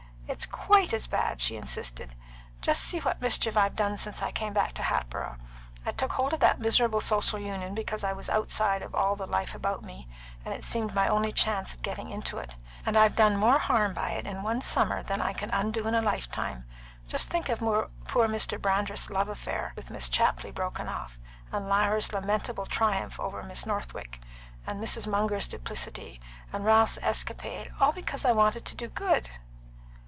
"It's quite as bad," she insisted. "Just see what mischief I've done since I came back to Hatboro'. I took hold of that miserable Social Union because I was outside of all the life about me, and it seemed my only chance of getting into it; and I've done more harm by it in one summer than I could undo in a lifetime. Just think of poor Mr. Brandreth's love affair with Miss Chapley broken off, and Lyra's lamentable triumph over Miss Northwick, and Mrs. Munger's duplicity, and Ralph's escapade all because I wanted to do good!"